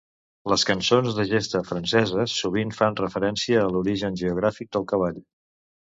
Les cançons de gesta franceses sovint fan referència a l’origen geogràfic del cavall.